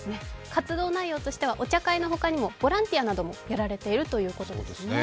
活動内容としてはお茶会のほかにもボランティアなどもやられているということですね。